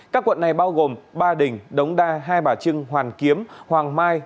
các quận này bao gồm ba đình đống đa hai bà trưng hoàn kiếm hoàng mai